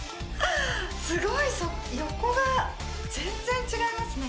すごい横が全然違いますね